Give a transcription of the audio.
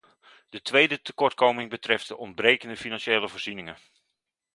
De tweede tekortkoming betreft de ontbrekende financiële voorzieningen.